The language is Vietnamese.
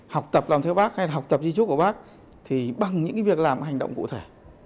học tập làm theo bác hay là học tập di trúc của bác thì bằng những việc làm hành động cụ thể